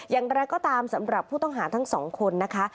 อย่างไรก็ตามสำหรับผู้ต้องหาทั้งสองคนนะคะ